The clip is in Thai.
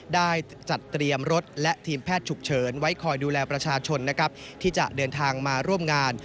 ได้จัดเตรียมรถและทีมแพทย์ฉุกเฉินไว้คอยดูแลประชาชนนะครับที่จะเดินทางมาร่วมงาน